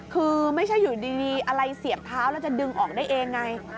คือไม่ใช่อยู่ดีอะไรเสียบเท้าแล้วจะดึงออกได้เองไง